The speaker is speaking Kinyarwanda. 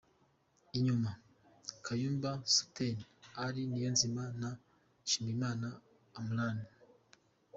Inyuma: Kayumba Sother, Ally Niyonzima na Nshimiyimana Imran.